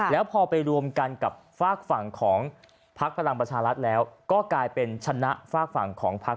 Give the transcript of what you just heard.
แล้วพอไปรวมกันกับฝากฝั่งของพักพลังประชารัฐแล้วก็กลายเป็นชนะฝากฝั่งของพัก